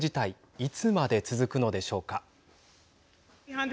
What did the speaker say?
いつまで続くのでしょうか。